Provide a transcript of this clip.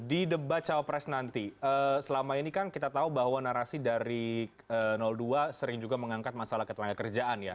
di debat cawapres nanti selama ini kan kita tahu bahwa narasi dari dua sering juga mengangkat masalah ketelangga kerjaan ya